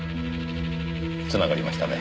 つながりましたね。